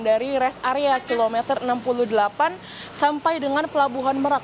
dari rest area kilometer enam puluh delapan sampai dengan pelabuhan merak